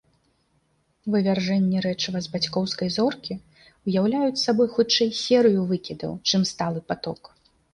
Вывяржэнні рэчыва з бацькоўскай зоркі ўяўляюць сабой хутчэй серыю выкідаў, чым сталы паток.